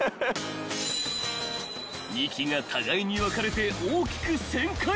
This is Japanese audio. ［２機が互いに分かれて大きく旋回］